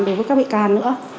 đối với các bị can nữa